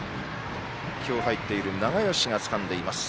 今日、入っている永吉がつかんでいます。